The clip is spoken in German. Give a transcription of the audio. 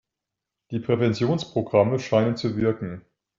Die Präventionsprogramme scheinen zu wirken.